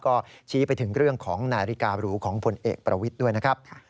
ก็ชี้ไปถึงเรื่องของนาฬิการูของผลเอกประวิทย์ด้วยนะครับ